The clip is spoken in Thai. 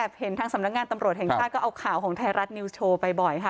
เห็นทางสำนักงานตำรวจแห่งชาติก็เอาข่าวของไทยรัฐนิวส์โชว์ไปบ่อยค่ะ